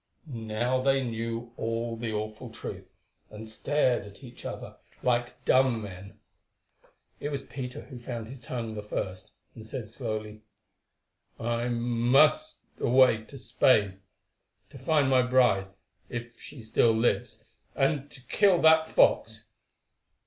Now they knew all the awful truth, and stared at each other like dumb men. It was Peter who found his tongue the first, and said slowly: "I must away to Spain to find my bride, if she still lives, and to kill that fox.